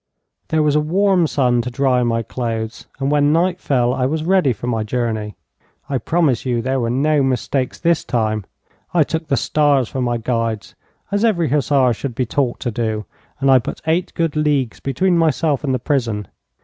There was a warm sun to dry my clothes, and when night fell I was ready for my journey. I promise you that there were no mistakes this time. I took the stars for my guides, as every hussar should be taught to do, and I put eight good leagues between myself and the prison.